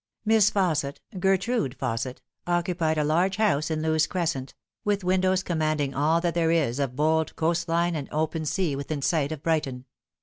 Miss FAUSSET Gertrude Fausset occupied a large house in Lewes Crescent with windows commanding all that there is of bold coast line and open sea within sight of Brighton.